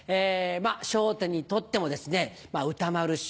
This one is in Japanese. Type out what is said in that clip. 『笑点』にとっても歌丸師匠